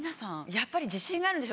やっぱり自信があるんでしょうね。